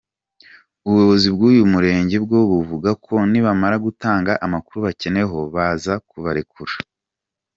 Ubuyobozi bw’uyu murenge bwo buvuga ko nibamara gutanga amakuru bakeneweho baza kubarekura.